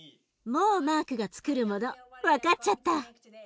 もうマークがつくるもの分かっちゃった！